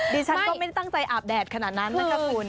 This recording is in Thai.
ดิฉันก็ไม่ได้ตั้งใจอาบแดดขนาดนั้นนะคะคุณ